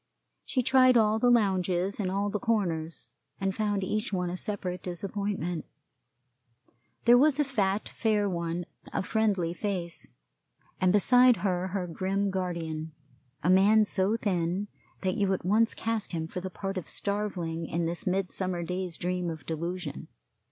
She tried all the lounges and all the corners, and found each one a separate disappointment. There was a fat, fair one, of friendly face, and beside her her grim guardian, a man so thin that you at once cast him for the part of Starveling in this Midsummer Day's Dream of Delusion.